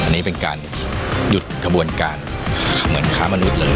อันนี้เป็นการหยุดกระบวนการเหมือนค้ามนุษย์เลย